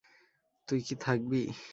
তুই কি থাকবি?